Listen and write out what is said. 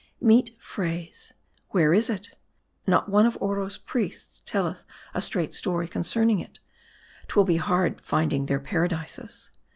Meet phrase. Where is it ? Not one of Oro's priests telleth a straight story concerning it ; 'twill be hard finding their paradises.